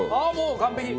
完璧。